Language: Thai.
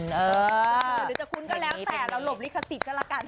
เดี๋ยวจะคุ้นก็แล้วแสนแล้วหลบลิขติดก็แล้วกัน